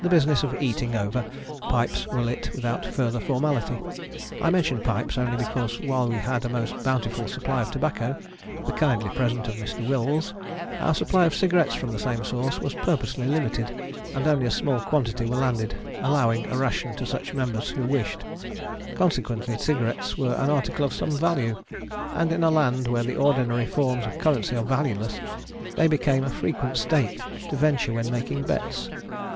The business of eating over, pipes were lit without further formality. I mention pipes only because while we had a most bountiful supply of tobacco, the kindly present of Mr. Wills, our supply of cigarettes from the same source was purposely limited and only a small quantity were landed, allowing of a ration to such members who wished. Consequently cigarettes were an article of some value, and in a land where the ordinary forms of currency are valueless they became a frequent stake to venture when making bets.